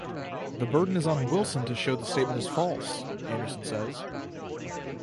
The burden is on Wilson to show the statement is false, Anderson says.